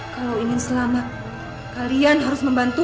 kalau ingin selamat kalian harus membantu